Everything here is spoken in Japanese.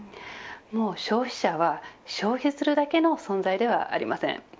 もう消費者は消費するだけの存在ではありません。